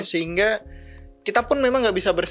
sehingga kita pun memang nggak bisa berdiri sendiri